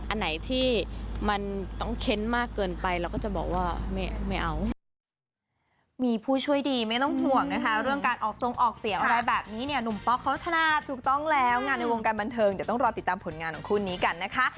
อันไหนที่มันต้องเค้นมากเกินไปเราก็จะบอกว่าไม่เอา